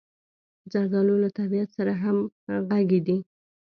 زردالو له طبعیت سره همغږې ده.